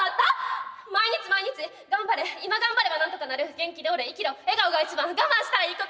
毎日毎日「頑張れ」「今頑張ればなんとかなる」「元気でおれ」「生きろ」「笑顔が一番」「我慢したらいいことある」